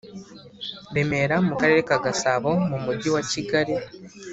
Remera mu Karere ka Gasabo mu Mujyi wa kigali